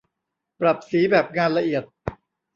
ปรับสีแบบงานละเอียด